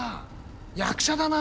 役者だな。